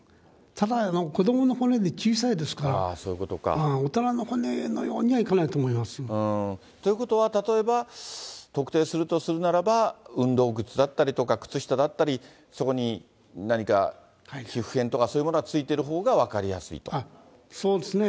ただ、子どもの骨で小さいですから、大人の骨のようにはいかないということは、例えば特定するとするならば、運動靴だったりとか、靴下だったり、そこに何か皮膚片とかそういうものがついているほうが分かりやすそうですね。